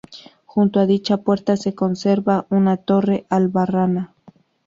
Junto a dicha puerta se conserva una torre albarrana.